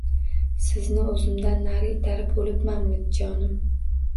Sizni o`zimdan nari itarib o`libmanmi, jonim